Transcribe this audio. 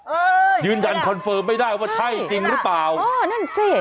เออยืนยันคอนเฟิร์มไม่ได้ว่าใช่จริงหรือเปล่าเออนั่นสิ